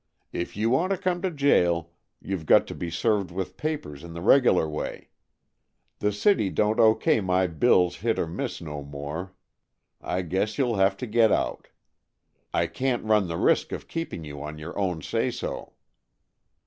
If you want to come to jail, you've got to be served with papers in the regular way. The city don't O. K. my bills hit or miss no more. I guess you'll have to get out. I can't run the risk of keeping you on your own say so."